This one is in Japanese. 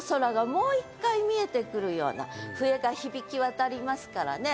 もう一回見えてくるような笛が響き渡りますからね。